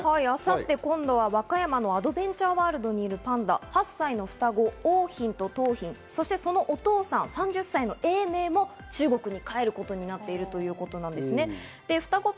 今度は和歌山のアドベンチャーワールドにいるパンダ８歳の双子、桜浜と桃浜、そしてそのお父さん、３０歳の永明も中国に帰ることになっているということです。